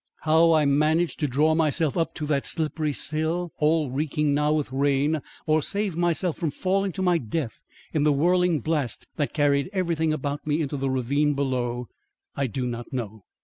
How I managed to draw myself up to that slippery sill all reeking now with rain, or save myself from falling to my death in the whirling blast that carried everything about me into the ravine below, I do not know.